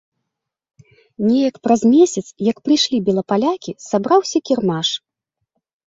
Неяк праз месяц, як прыйшлі белапалякі, сабраўся кірмаш.